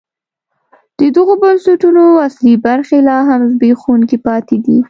د دغو بنسټونو اصلي برخې لا هم زبېښونکي پاتې دي.